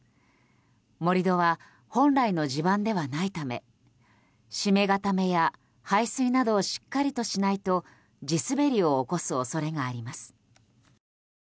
盛り土は本来の地盤ではないため締め固めや排水などをしっかりとしないと地すべりを起こす恐れがあります。